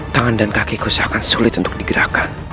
tangan dan kakiku seakan sulit untuk digerakkan